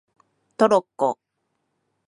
トロッコ